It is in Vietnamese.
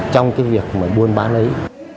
trong cái việc mà buôn bán ấy